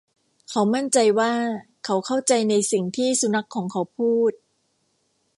เขามั่นใจว่าเขาเข้าใจในสิ่งที่สุนัขของเขาพูด